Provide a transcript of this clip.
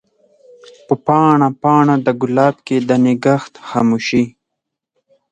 په پاڼه ، پاڼه دګلاب کښي د نګهت خاموشی